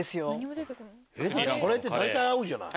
カレーって大体合うじゃない。